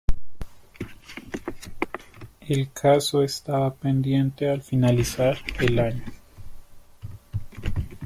El caso estaba pendiente al finalizar el año.